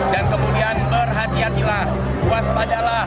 dan kemudian berhati hatilah waspadalah